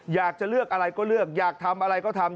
อยากจะเลือกอะไรก็เลือกอยากทำอะไรก็ทำ